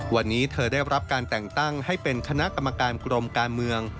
วันนี้เธอได้รับการแต่งตั้งให้เป็นคณะกรรมการกรมการเมือง